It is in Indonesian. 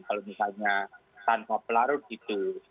kalau misalnya tanpa pelarut itu